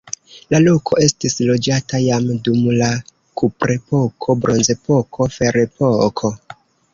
La loko estis loĝata jam dum la kuprepoko, bronzepoko, ferepoko.